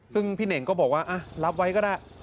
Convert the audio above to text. ซึ่งพี่เน่งก็บอกว่ารับไว้ก็ได้